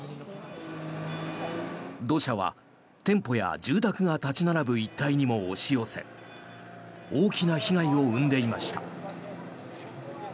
土砂は店舗や住宅が立ち並ぶ一帯にも押し寄せ大きな被害を生んでいました。